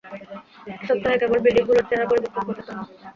এক সপ্তাহে কেবল, বিল্ডিংগুলোর চেহারা পরিবর্তন করতে পারব।